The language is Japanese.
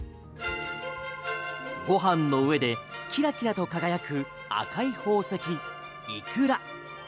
ご飯の上でキラキラと輝く赤い宝石、イクラ。